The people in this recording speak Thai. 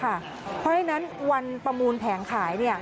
เพราะฉะนั้นวันประมูลแผงขาย